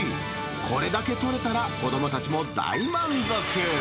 これだけ取れたら、子どもたちも大満足。